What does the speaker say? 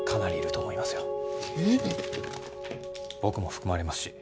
僕も含まれますし。